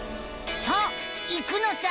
さあ行くのさ！